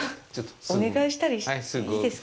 お願いしたりしていいですか？